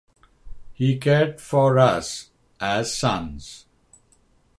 He cared for us as sons.